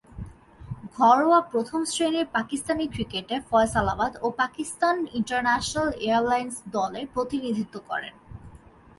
ঘরোয়া প্রথম-শ্রেণীর পাকিস্তানি ক্রিকেটে ফয়সালাবাদ ও পাকিস্তান ইন্টারন্যাশনাল এয়ারলাইন্স দলের প্রতিনিধিত্ব করেন।